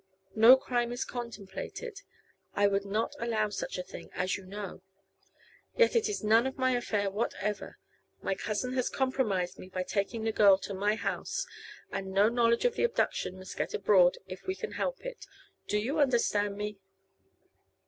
No crime is contemplated; I would not allow such a thing, as you know. Yet it is none of my affair whatever. My cousin has compromised me by taking the girl to my house, and no knowledge of the abduction must get abroad if we can help it. Do you understand me?"